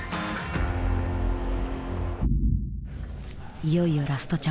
いよいよラストチャンス。